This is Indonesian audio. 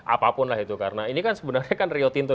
apapun lah itu karena ini kan sebenarnya kan rio tinto